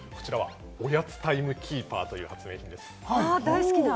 おやつタイムキーパーという発明品です。